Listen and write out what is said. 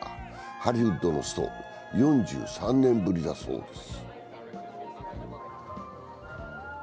ハリウッドのスト、４３年ぶりだそうです。